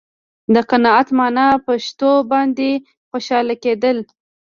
د قناعت معنا په شتو باندې خوشاله کېدل.